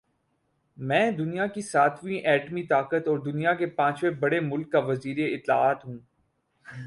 میں دنیا کی ساتویں ایٹمی طاقت اور دنیا کے پانچویں بڑے مُلک کا وزیراطلاعات ہوں